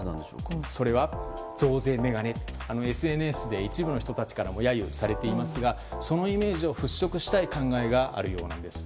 それは、増税メガネとＳＮＳで一部の人たちからも揶揄されていますがそのイメージを払拭したいそうなんです。